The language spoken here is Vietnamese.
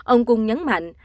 ông cung nhấn mạnh